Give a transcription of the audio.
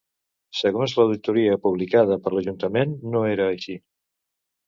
Segons l'auditoria publicada per l'Ajuntament, no era així.